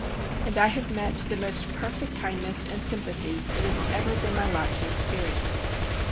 And I have met the most perfect kindness and sympathy it has ever been my lot to experience.